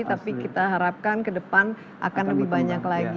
tapi kita harapkan ke depan akan lebih banyak lagi